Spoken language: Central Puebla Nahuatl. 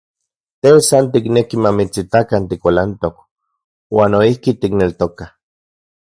Te san tikneki mamitsitakan tikualantok, uan noijki tikneltokaj.